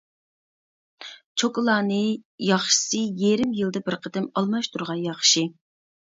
چوكىلارنى ياخشىسى يېرىم يىلدا بىر قېتىم ئالماشتۇرغان ياخشى.